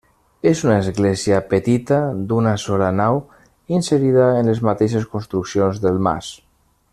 És una església petita, d'una sola nau, inserida en les mateixes construccions del mas.